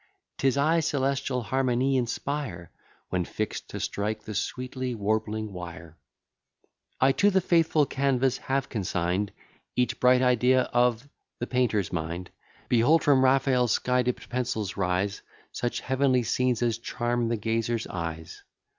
'Tis I celestial harmony inspire, When fix'd to strike the sweetly warbling wire. I to the faithful canvas have consign'd Each bright idea of the painter's mind; Behold from Raphael's sky dipt pencils rise Such heavenly scenes as charm the gazer's eyes.